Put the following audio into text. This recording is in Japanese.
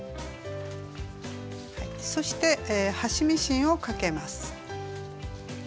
そして端ミシンをかけます。